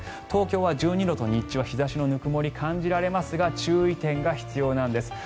東京は１２度と日中は日差しのぬくもりが感じられますが注意点が必要なんです。